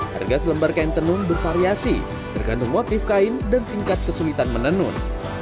harga selembar kain tenun bervariasi tergantung motif kain dan tingkat kesulitan menenun